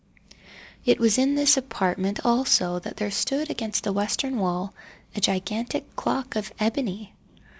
It was in this apartment, also, that there stood against the western wall, a gigantic clock of ebony.